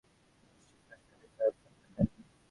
আমাদের শ্রীকৃষ্ণের বিষয় আপনারা জানেন।